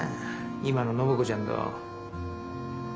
今の暢子ちゃんと。